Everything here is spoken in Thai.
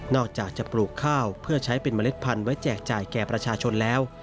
อกจากจะปลูกข้าวเพื่อใช้เป็นเมล็ดพันธุ์ไว้แจกจ่ายแก่ประชาชนแล้ว